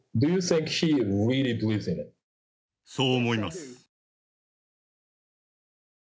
そう思います。